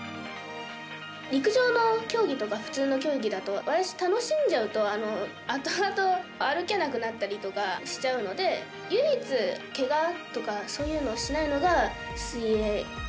陸上の競技とか普通の競技だと私、楽しんじゃうとあとあと歩けなくなったりとかしちゃうので唯一、けがとかそういうのをしないのが水泳。